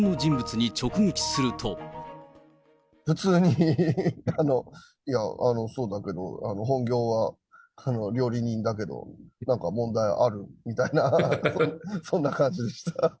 普通に、いや、そうだけど、本業は料理人だけど、なんか問題ある？みたいな、そんな感じでした。